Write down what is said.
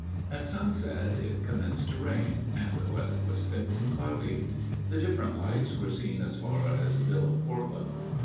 At sunset, it commenced to rain, and the weather was thick and cloudy. The different lights were seen as far as the Bill of Portland.